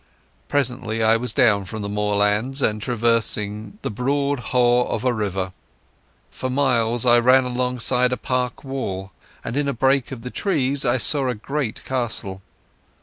Presently I was down from the moorlands and traversing the broad haugh of a river. For miles I ran alongside a park wall, and in a break of the trees I saw a great castle.